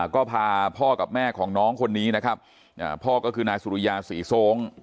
ก็พาพ่อกับแม่ของน้องคนนี้นะครับพ่อก็คือนายสุริยาศรีทรง